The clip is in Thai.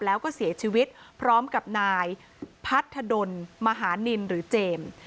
แล้วก็เสียชีวิตพร้อมกับนายพัทธดลมหานินหรือเจมส์